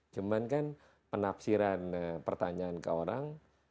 cuman kan penafsiran pertanyaan ke orang